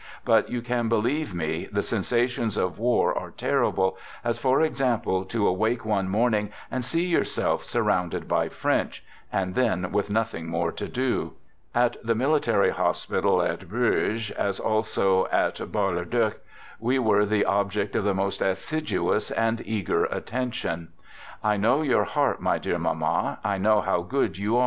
But i you can believe me, the sensations of war are terri ' ble, as for example, to awake one morning and see ' yourself surrounded by French — and then with nothing more to do! At the military hospital at Bourges, as also at Bar le Duc, we were the object of the most assiduous and eager attention. I know your heart, my dear mamma, I know how good you